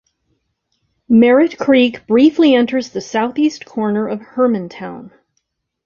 Merritt Creek briefly enters the southeast corner of Hermantown.